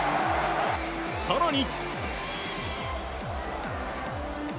更に。